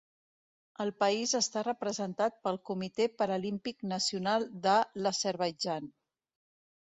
El país està representat pel Comitè Paralímpic Nacional de l'Azerbaidjan.